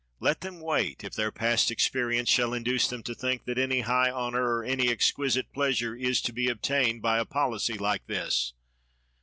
Let them wait, if their past experience shall induce them to think that any high honor or any exquisite pleasure is to be obtained by a policy like this.